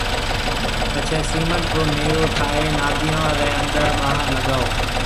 پڇيَ سيمنٽ رو نيِرو ٺائيَ ناديون رَي اندر ٻاھر لگائو